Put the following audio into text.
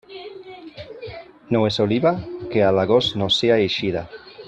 No és oliva que a l'agost no sia eixida.